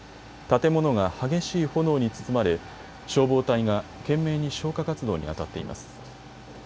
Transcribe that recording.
建物が激しい炎に包まれ消防隊が懸命に消火活動にあたっています。